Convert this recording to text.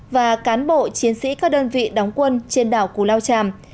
và cán bộ chiến sĩ các đơn vị đóng quân trên đảo cù lao tràm